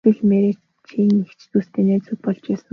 Эсвэл Марчийн эгч дүүстэй найзууд болж байсан уу?